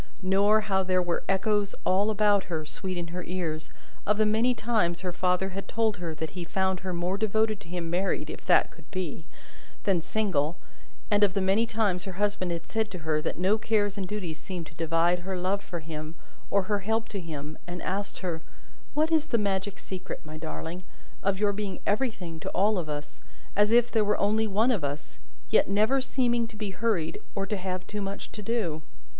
Nor, how there were echoes all about her, sweet in her ears, of the many times her father had told her that he found her more devoted to him married (if that could be) than single, and of the many times her husband had said to her that no cares and duties seemed to divide her love for him or her help to him, and asked her "What is the magic secret, my darling, of your being everything to all of us, as if there were only one of us, yet never seeming to be hurried, or to have too much to do?"